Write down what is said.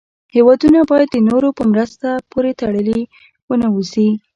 هېوادونه باید د نورو په مرستو پورې تړلې و نه اوسي.